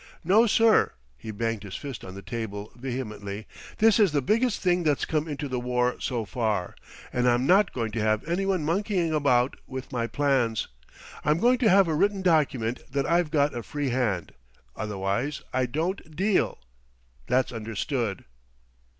"No, sir," he banged his fist on the table vehemently. "This is the biggest thing that's come into the war so far, and I'm not going to have anyone monkeying about with my plans. I'm going to have a written document that I've got a free hand, otherwise I don't deal, that's understood."